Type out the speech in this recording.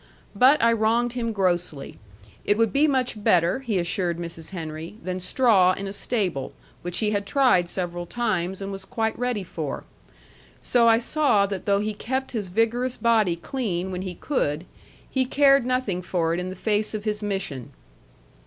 But I wronged him grossly. It would be much better, he assured Mrs. Henry, than straw in a stable, which he had tried several times, and was quite ready for. So I saw that though he kept his vigorous body clean when he could, he cared nothing for it in the face of his mission.